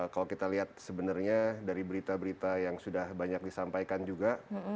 kalau kita lihat sebenarnya dari berita berita yang sudah banyak disampaikan juga